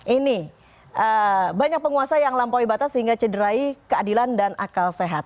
ini banyak penguasa yang melampaui batas sehingga cederai keadilan dan akal sehat